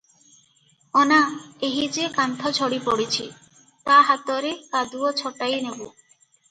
ଅନା, ଏହି ଯେ କାନ୍ଥ ଝଡ଼ି ପଡିଛି, ତା ହାତରେ କାଦୁଅ ଛଟାଇ ନେବୁ ।